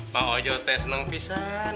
mak ojo teh seneng pisah kan